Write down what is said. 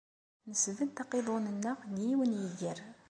Nesbedd aqiḍun-nneɣ deg yiwen n yiger.